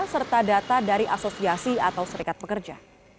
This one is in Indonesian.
serta data dari asosiasi atau serikat pekerja